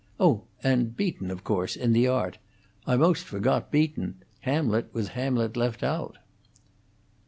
Oh, and Beaton, of course, in the art. I 'most forgot Beaton Hamlet with Hamlet left out."